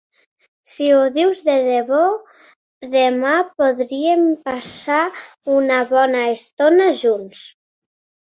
Si ho dius de debò, demà podríem passar una bona estona junts.